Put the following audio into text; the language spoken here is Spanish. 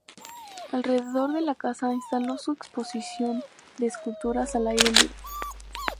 Alrededor de la casa instaló su exposición de esculturas al aire libre.